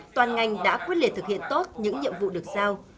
toàn ngành đã quyết liệt thực hiện tốt những nhiệm vụ được giao